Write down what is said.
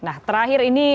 nah terakhir ini